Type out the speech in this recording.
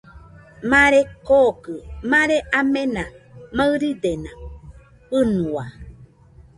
Mare kookɨ mare amena maɨridena fɨnua.